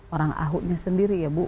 orang ahoknya sendiri ya bu